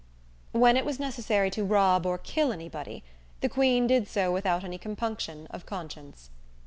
When it was necessary to rob or kill anybody, the Queen did so without any compunction of conscience.